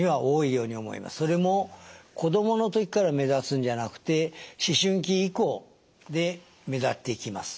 それも子どもの時から目立つんじゃなくて思春期以降で目立ってきます。